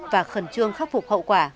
và khẩn trương khắc phục hậu quả